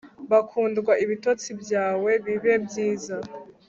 Bakundwa ibitotsi byawe bibe byiza